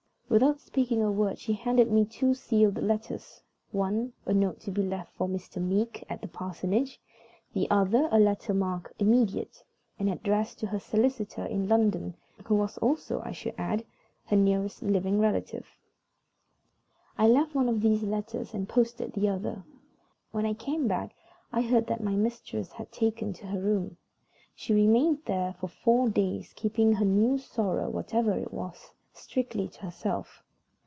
Without speaking a word she handed me two sealed letters: one, a note to be left for Mr. Meeke at the parsonage; the other, a letter marked "Immediate," and addressed to her solicitor in London, who was also, I should add, her nearest living relative. I left one of these letters and posted the other. When I came back I heard that my mistress had taken to her room. She remained there for four days, keeping her new sorrow, whatever it was, strictly to herself.